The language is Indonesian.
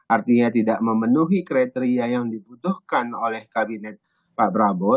artinya tidak memenuhi kriteria yang dibutuhkan oleh kabinet pak prabowo